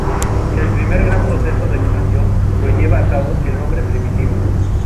El primer gran proceso de expansión lo lleva a cabo el hombre primitivo.